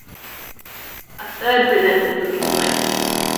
A third presenter took his place.